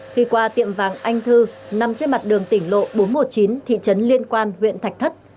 khi qua tiệm vàng anh thư nằm trên mặt đường tỉnh lộ bốn trăm một mươi chín thị trấn liên quan huyện thạch thất